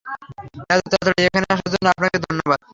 এত তাড়াতাড়ি এখানে আসার জন্য আপনাকে ধন্যবাদ।